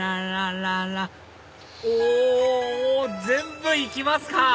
全部行きますか